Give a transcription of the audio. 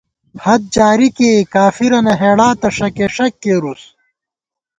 حد جاری کېئےکافِرَنہ ہېڑا تہ ݭَکېݭَک کېرُوس